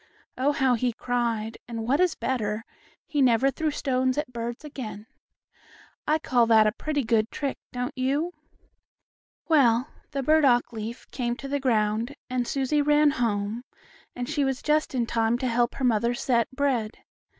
Oh, how he cried, and, what is better, he never threw stones at birds again. I call that a pretty good trick, don't you? Well, the burdock leaf came to the ground, and Susie ran home, and she was just in time to help her mother set bread.